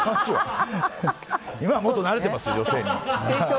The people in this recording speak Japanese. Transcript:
今はもっと慣れてます、女性に。